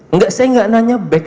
enggak saya tidak tanya back